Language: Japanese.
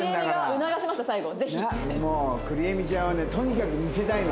もうくりえみちゃんはねとにかく見せたいの。